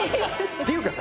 っていうかさ